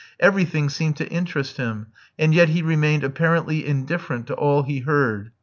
Everything seemed to interest him, and yet he remained apparently indifferent to all he heard.